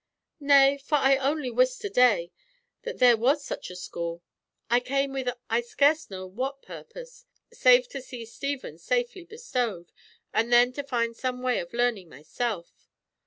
"Nay, for I only wist to day that there was such a school. I came with I scarce know what purpose, save to see Stephen safely bestowed, and then to find some way of learning myself.